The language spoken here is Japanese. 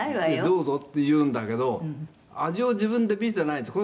「どうぞって言うんだけど味を自分で見ていないんです。